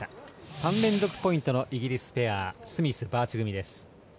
３連続ポイントのイギリスペアスミス、バーチ組です。